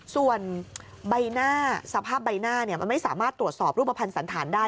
ส่วนใบหน้าสภาพใบหน้ามันไม่สามารถตรวจสอบรูปภัณฑ์สันธารได้